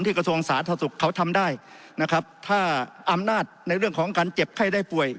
กระทรวงสาธารณสุขเขาทำได้นะครับถ้าอำนาจในเรื่องของการเจ็บไข้ได้ป่วย